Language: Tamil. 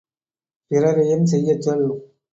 பிறரையும் செய்யச் சொல்!